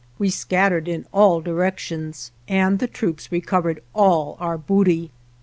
We scat tered in all directions, and the troops re covered all our booty.